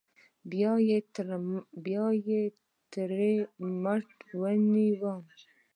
بيا يې تر مټ ونيوم.